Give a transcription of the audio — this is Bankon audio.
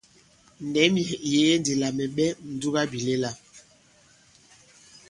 Ndɛ̌m yɛ̀ŋ ì yege ndī lā mɛ̀ ɓɛ ǹdugabìlɛla.